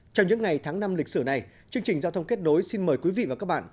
trong những ngày tháng năm lịch sử này chương trình giao thông kết nối xin mời quý vị và các bạn